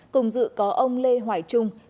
cùng dự có ông lê hoài trung